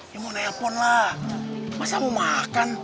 ya mau nelpon lah masa mau makan